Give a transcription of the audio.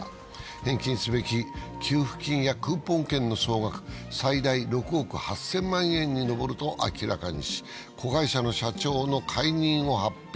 返金すべき給付金やクーポン券の総額は最大６億８０００万円に上ると発表し、子会社の社長の解任を発表。